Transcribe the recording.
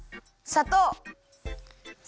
さとう。